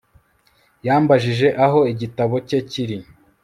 Yambajije aho igitabo cye kiri